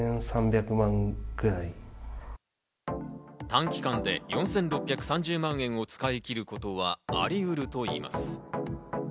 短期間で４６３０万円を使い切ることはありうるといいます。